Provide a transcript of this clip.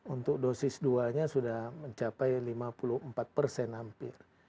untuk dosis dua nya sudah mencapai lima puluh empat persen hampir